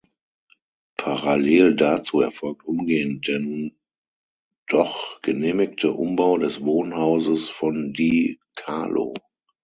Parallel dazu erfolgt umgehend der nun doch genehmigte Umbau des Wohnhauses von Di Carlo.